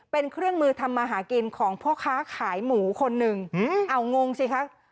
เป็นเครื่องมือทำมาหากินของพ่อค้าขายหมูคนหนึ่งเอางงสิคะ